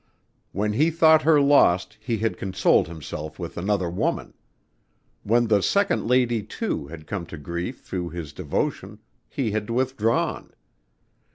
When he thought her lost he had consoled himself with another woman. When the second lady, too, had come to grief through his devotion, he had withdrawn.